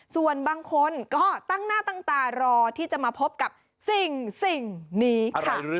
ส่วนบางคนก็ตั้งหน้าตั้งตารอที่จะมาพบกับสิ่งนี้ค่ะ